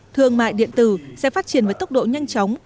thương mại điện tử sẽ phát triển với tốc độ nhanh chóng